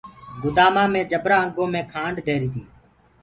گُدآمآ مي جبرآ انگو مي کآنڊ دهيري تي۔